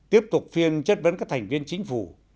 tiếp tục phiên chất vấn các thành viên chính phủ